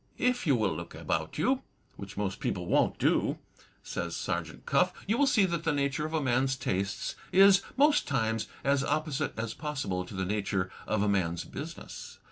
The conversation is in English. "If you will look about you (which most people won't do)," says Sergeant Cuff, "you will see that the nature of a man's tastes is, most times, as opposite as possible to the nature of a man's business.